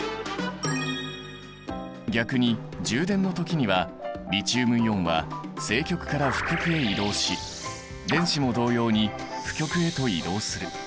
逆に充電の時にはリチウムイオンは正極から負極へ移動し電子も同様に負極へと移動する。